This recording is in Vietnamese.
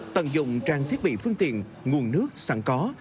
tận dụng trang thiết bị phương tiện nguồn nước sẵn có